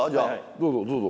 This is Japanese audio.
どうぞどうぞ。